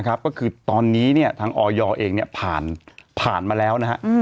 ก็คือตอนนี้ทางออยเองผ่านมาแล้วนะฮะ